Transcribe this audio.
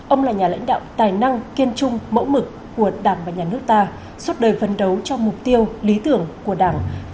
ông là nhà lãnh đạo tài năng kiên trung mẫu mực của đảng và nhà nước ta suốt đời phấn đấu cho mục tiêu lý tưởng của đảng